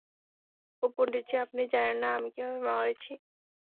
ও পন্ডিতজি, আপনি জানেন না আমি কিভাবে মরেছি!